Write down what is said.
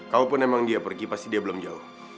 kalaupun memang dia pergi pasti dia belum jauh